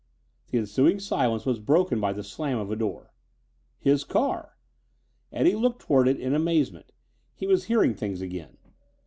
The ensuing silence was broken by the slam of a door. His car! Eddie looked toward it in amazement; he was hearing things again.